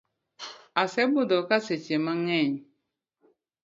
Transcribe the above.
Asebudhoka seche mangeny.